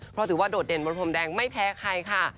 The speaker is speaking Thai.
เพราะถือว่าโดดเด่นบนพรมแดงไม่แพ้ใครค่ะ